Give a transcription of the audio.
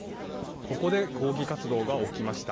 ここで抗議活動が起きました。